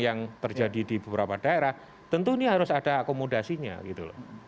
yang terjadi di beberapa daerah tentu ini harus ada akomodasinya gitu loh